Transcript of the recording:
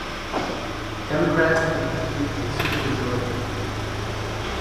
Democrats maintained their supermajority.